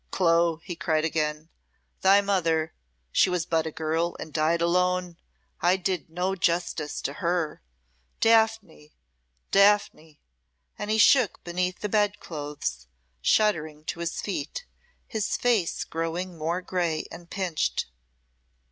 "Clo," he cried again "thy mother she was but a girl, and died alone I did no justice to her! Daphne! Daphne!" And he shook beneath the bed clothes, shuddering to his feet, his face growing more grey and pinched.